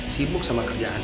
sibuk sama kerjaan